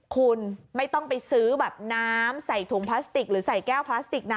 คุณไม่ต้องไปซื้อแบบน้ำใส่ถุงพลาสติกหรือใส่แก้วพลาสติกนะ